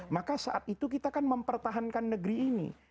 maka saat itu kita kan mempertahankan negeri ini